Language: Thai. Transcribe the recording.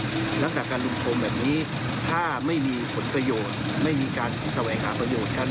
ลักษณะการลุมพรมแบบนี้ถ้าไม่มีผลประโยชน์ไม่มีการแสวงหาประโยชน์กัน